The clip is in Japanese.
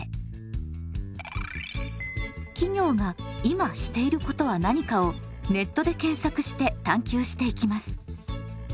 「企業が今していることは何か？」を「ネットで検索」して探究していきます。